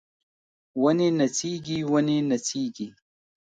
ونې نڅیږي ونې نڅیږي